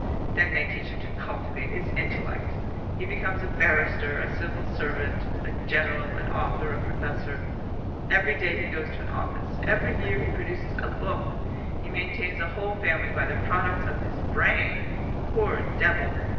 Then they teach him to cultivate his intellect. He becomes a barrister, a civil servant, a general, an author, a professor. Every day he goes to an office. Every year he produces a book. He maintains a whole family by the products of his brain poor devil!